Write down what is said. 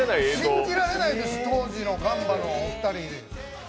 信じられないです、当時のガンバのお二人。